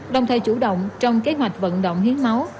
đồng thời chủ động trong kế hoạch vận động hiến máu